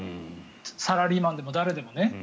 サラリーマンでも誰でもね。